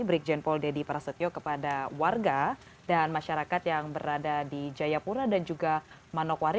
brigjen paul dedy prasetyo kepada warga dan masyarakat yang berada di jayapura dan juga manokwari